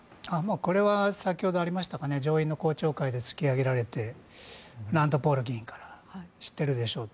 これは先ほどありました上院の公聴会で突き上げられてランド・ポール議員から知っているでしょうと。